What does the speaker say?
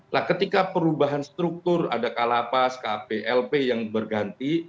nah ketika perubahan struktur ada kalapas kplp yang berganti